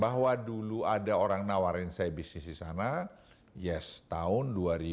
bahwa dulu ada orang nawarin saya bisnis di sana yes tahun dua ribu dua